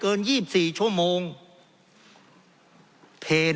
เพราะเรามี๕ชั่วโมงครับท่านนึง